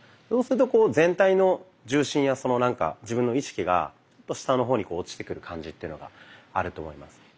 そうするとこう全体の重心やそのなんか自分の意識が下の方に落ちてく感じというのがあると思います。